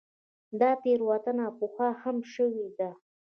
دا تېروتنه پخوا هم شوې ده.